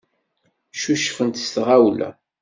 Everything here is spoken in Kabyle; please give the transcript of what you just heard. Ccucfent s tɣawla.